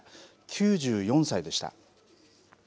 ９４歳でした。